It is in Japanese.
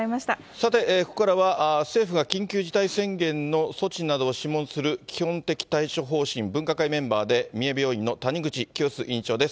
さて、ここからは政府が緊急事態宣言の措置などを諮問する、基本的対処方針分科会メンバーで三重病院の谷口清州院長です。